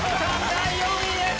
第４位です！